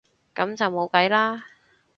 噉就冇計啦